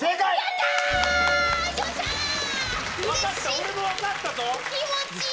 俺も分かったぞ！